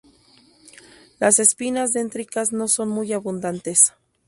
Las espinas dendríticas no son muy abundantes.